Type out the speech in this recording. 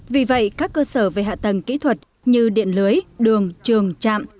vì vậy các cơ sở về hạ tầng kỹ thuật như điện lưới đường trường trạm